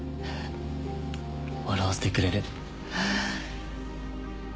笑わせてくれる。